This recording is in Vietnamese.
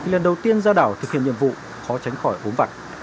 lần đầu tiên ra đảo thực hiện nhiệm vụ khó tránh khỏi ốm vặt